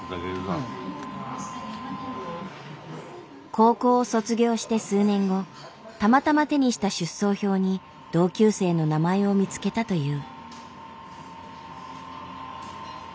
高校を卒業して数年後たまたま手にした出走表に同級生の名前を見つけたという。